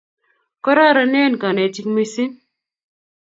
kororonen konetik mising